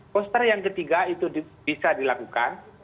poster yang ketiga itu bisa dilakukan